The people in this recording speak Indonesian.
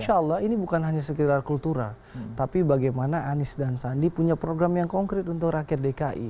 insya allah ini bukan hanya sekedar kultural tapi bagaimana anies dan sandi punya program yang konkret untuk rakyat dki